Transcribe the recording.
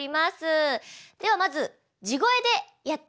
ではまず地声でやってみましょう。